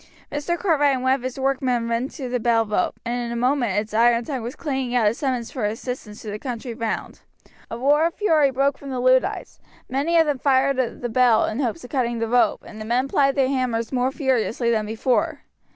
Mr. Cartwright and one of his workmen ran to the bell rope, and in a moment its iron tongue was clanging out its summons for assistance to the country round. A roar of fury broke from the Luddites; many of them fired at the bell in hopes of cutting the rope, and the men plied their hammers more furiously than before.